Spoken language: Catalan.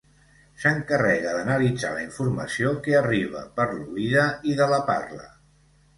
S'encarrega d'analitzar la informació que arriba per l'oïda i de la parla.